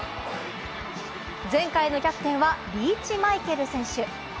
前回のキャプテンはリーチ・マイケル選手。